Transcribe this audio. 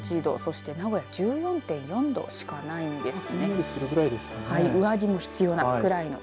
大阪１５．８度そして名古屋１４．４度しかないんです。